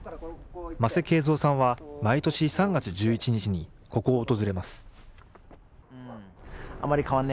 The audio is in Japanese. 間瀬慶蔵さんは毎年３月１１日にここを訪れます。